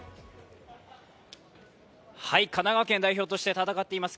神奈川県代表として戦っています